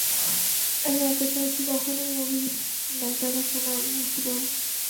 আমি অপেক্ষায় আছি কখন এই অভির নাক ডাকা শোনা মুক্তি পাবো।